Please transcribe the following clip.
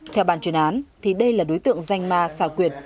theo bàn truyền án thì đây là đối tượng danh ma xà quyệt